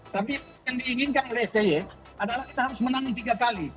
tapi yang diinginkan oleh sti adalah kita harus menang tiga kali